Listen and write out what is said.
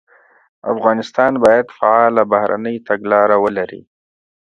افغانستان باید فعاله بهرنۍ تګلاره ولري.